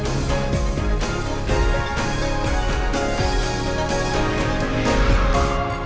saya milva iza selamat pagi dan sampai jumpa